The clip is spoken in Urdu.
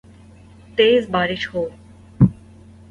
تیز بارش ہو